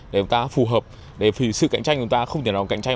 để chúng ta phù hợp để sự cạnh tranh của chúng ta không thể làm cạnh tranh